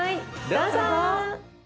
どうぞ！